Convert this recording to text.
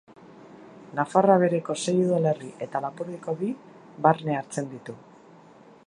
Nafarroa Behereko sei udalerri eta Lapurdiko bi barne hartzen ditu.